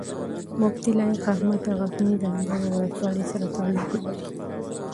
مفتي لائق احمد د غزني د اندړو ولسوالۍ سره تعلق لري